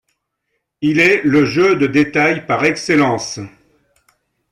Il est le jeu de détail par excellence.